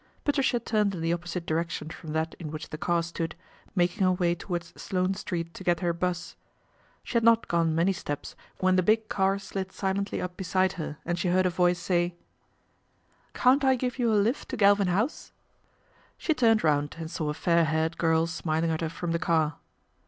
Patricia turned in the opposite direction from that in which the car stood, making her way towards Sloane Street to get her bus. She had not gone many steps when the big car slid silently up beside her, and she heard a voice say, " Can't I give you a lift to Galvin House ?" til LADY TANAGRA TAKES A HAND 119 She turned round and saw a fair haired gir) smiling at her from the car.